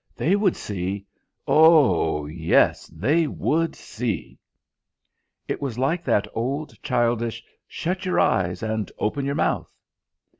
They would see O o oh, yes, they would see! It was like that old childish "Shut your eyes and open your mouth."